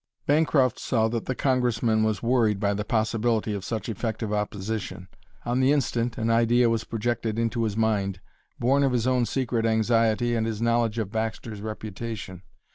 Bancroft saw that the Congressman was worried by the possibility of such effective opposition. On the instant an idea was projected into his mind, born of his own secret anxiety and his knowledge of Baxter's reputation.